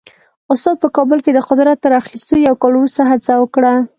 استاد په کابل کې د قدرت تر اخیستو یو کال وروسته هڅه وکړه.